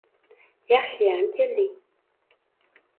Yaxshiyam kelding